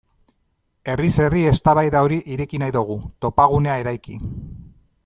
Herriz herri eztabaida hori ireki nahi dugu, topagunea eraiki.